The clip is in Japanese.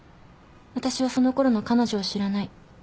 私はそのころの彼女を知らない。